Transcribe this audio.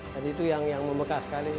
jadi itu yang membekas sekali